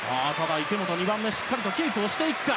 池本は２番目をしっかりキープしていくか。